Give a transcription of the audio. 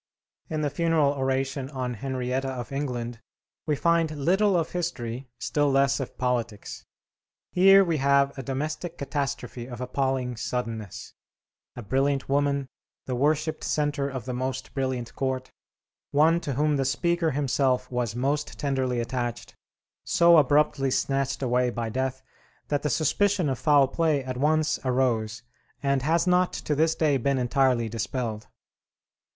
In the funeral oration on Henrietta of England we find little of history, still less of politics. Here we have a domestic catastrophe of appalling suddenness: a brilliant woman, the worshiped centre of the most brilliant court, one to whom the speaker himself was most tenderly attached, so abruptly snatched away by death that the suspicion of foul play at once arose and has not to this day been entirely dispelled.